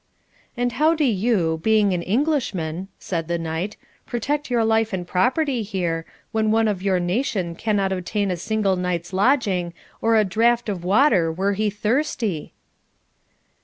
'And how do you, being an Englishman,' said the Knight, 'protect your life and property here, when one of your nation cannot obtain a single night's lodging, or a draught of water were he thirsty?'